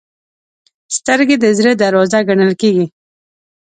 سترګې د زړه دروازه ګڼل کېږي